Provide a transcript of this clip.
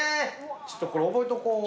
ちょっとこれ覚えとこう。